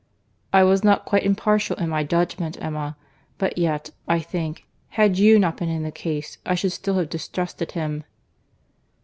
"I was not quite impartial in my judgment, Emma:—but yet, I think—had you not been in the case—I should still have distrusted him."